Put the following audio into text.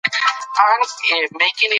که خلګ اختلاف ولري بیا هم ګډ ژوند کوي.